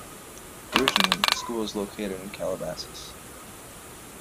Originally the school was located in Calabasas.